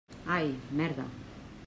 Ai, merda.